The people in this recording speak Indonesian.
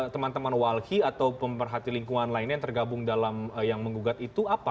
teman teman walhi atau pemerhati lingkungan lainnya yang tergabung dalam yang menggugat itu apa